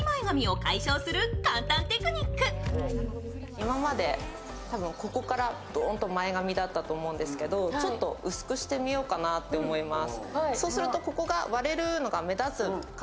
今まで多分ここからどーんと前髪だったと思うんですけど、ちょっと薄くしてみようかなと思います。